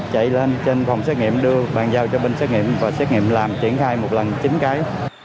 chạy lên trên phòng xét nghiệm đưa bàn giao cho bên xét nghiệm và xét nghiệm làm triển khai một lần chín cái